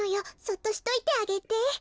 そっとしといてあげて。